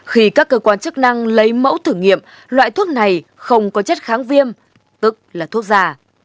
khi các cơ quan chức năng lấy mẫu thử nghiệm loại thuốc này không có chất kháng viêm tức là thuốc giả